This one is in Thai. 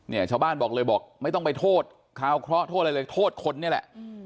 ชาวบ้านบอกเลยบอกไม่ต้องไปโทษคราวเคราะห์โทษอะไรเลยโทษคนนี่แหละ